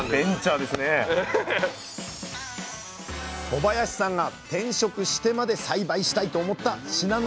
小林さんが転職してまで栽培したいと思った信濃くるみ。